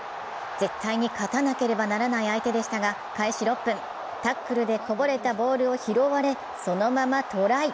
絶対に勝たなければならない相手でしたが開始６分、タックルでこぼれたボールを拾われそのままトライ。